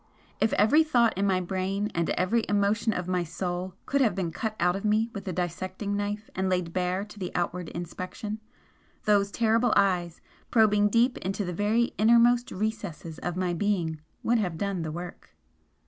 If every thought in my brain and every emotion of my soul could have been cut out of me with a dissecting knife and laid bare to outward inspection, those terrible eyes, probing deep into the very innermost recesses of my being, would have done the work.